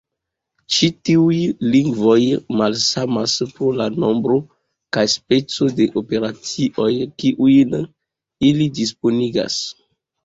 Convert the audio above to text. Ĉi tiuj lingvoj malsamas pro la nombro kaj speco de operacioj kiujn ili disponigas.